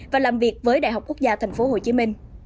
và làm việc với đại học quốc gia tp hcm